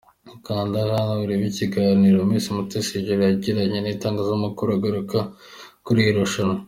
Kanda hano urebe ikiganiro Miss Mutesi Jolly yagiranye n'itangazamakuru agaruka kuri iri rushanwa.